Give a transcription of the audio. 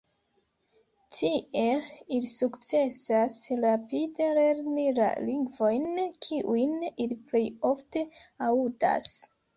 Tiel ili sukcesas rapide lerni la lingvojn, kiujn ili plej ofte aŭdas.